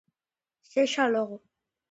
Sexa logo.